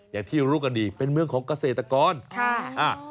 อย่างที่รู้กันดีเป็นเมืองของเกษตรกรค่ะ